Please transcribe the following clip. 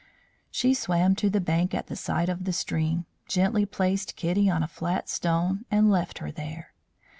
She swam to the bank at the side of the stream, gently placed Kitty on a flat stone, and left her there.